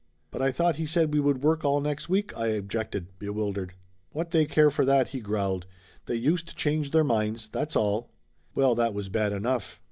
"But I thought he said we would work all next week!" I objected, bewildered. "What they care for that?" he growled. "They youst change their minds, that's all!" Well, that was bad enough.